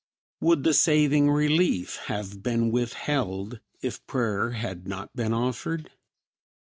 Would the saving relief have been withheld if prayer had not been offered?